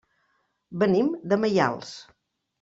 Venim de Maials.